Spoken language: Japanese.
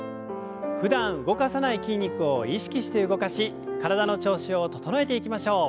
ふだん動かさない筋肉を意識して動かし体の調子を整えていきましょう。